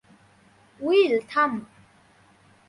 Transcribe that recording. Will, থাম।